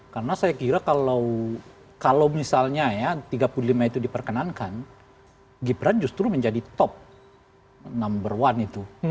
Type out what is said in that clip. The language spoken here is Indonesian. karena saya kira kalau misalnya ya tiga puluh lima itu diperkenankan gibran justru menjadi top number one itu